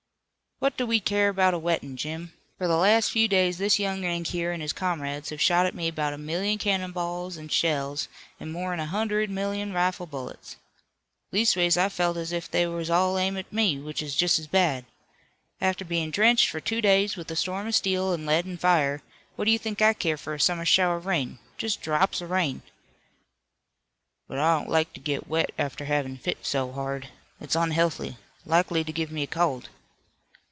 "What do we care 'bout a wettin', Jim? Fur the last few days this young Yank here an' his comrades have shot at me 'bout a million cannon balls an' shells, an' more 'n a hundred million rifle bullets. Leastways I felt as if they was all aimed at me, which is just as bad. After bein' drenched fur two days with a storm of steel an' lead an' fire, what do you think I care for a summer shower of rain, just drops of rain?" "But I don't like to get wet after havin' fit so hard. It's unhealthy, likely to give me a cold."